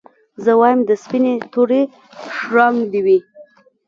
زه وايم د سپيني توري شړنګ دي وي